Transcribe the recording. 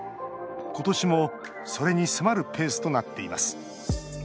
今年もそれに迫るペースとなっています。